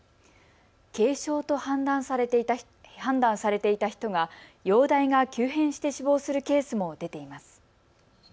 軽症と判断されていた人が容体が急変して死亡するケースも出ています。